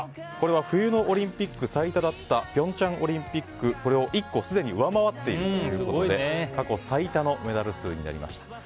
これは冬のオリンピック最多だった平昌オリンピックをすでに１個、上回っているという過去最多のメダル数になりました。